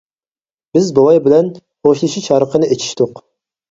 بىز بوۋاي بىلەن خوشلىشىش ھارىقىنى ئىچىشتۇق.